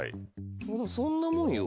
そんなもんよ。